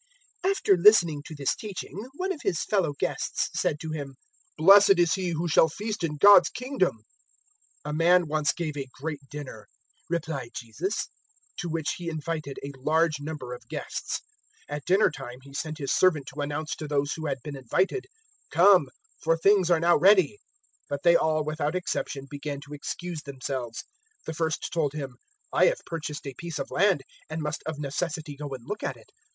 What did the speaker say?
014:015 After listening to this teaching, one of His fellow guests said to Him, "Blessed is he who shall feast in God's Kingdom." 014:016 "A man once gave a great dinner," replied Jesus, "to which he invited a large number of guests. 014:017 At dinner time he sent his servant to announce to those who had been invited, "`Come, for things are now ready.' 014:018 "But they all without exception began to excuse themselves. The first told him, "`I have purchased a piece of land, and must of necessity go and look at it.